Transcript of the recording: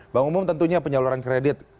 bank umum tentunya penyaluran kredit